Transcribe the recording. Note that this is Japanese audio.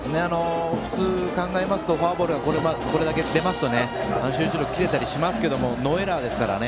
普通に考えますとフォアボールがこれだけ出ますと集中力が切れたりしますがノーエラーですからね。